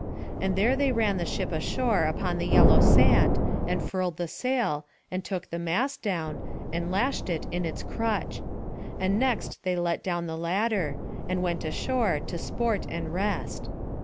And there they ran the ship ashore upon the yellow sand, and furled the sail, and took the mast down, and lashed it in its crutch. And next they let down the ladder, and went ashore to sport and rest.